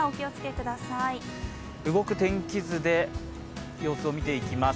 動く天気図で様子を見ていきます。